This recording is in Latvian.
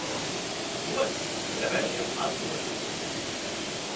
Dots devējām atdodas.